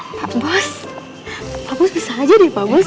pak bos pak bos bisa aja deh pak bos